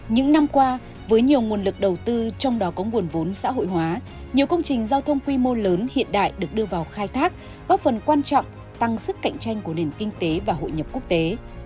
những năm qua với nhiều nguồn lực đầu tư trong đó có nguồn vốn xã hội hóa nhiều công trình giao thông quy mô lớn hiện đại được đưa vào khai thác góp phần quan trọng tăng sức cạnh tranh của nền kinh tế và hội nhập quốc tế